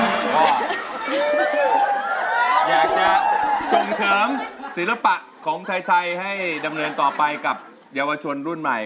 ก็อยากจะส่งเสริมศิลปะของไทยให้ดำเนินต่อไปกับเยาวชนรุ่นใหม่